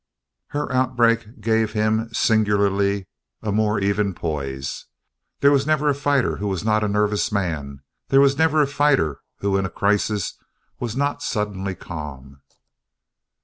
Her outbreak gave him, singularly, a more even poise. There was never a fighter who was not a nervous man; there was never a fighter who in a crisis was not suddenly calm.